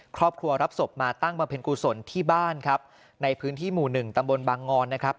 ครอบครัวรับศพมาตั้งบำเพ็ญกุศลที่บ้านครับในพื้นที่หมู่หนึ่งตำบลบางงอนนะครับ